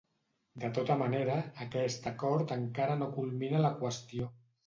De tota manera, aquest acord encara no culmina la qüestió.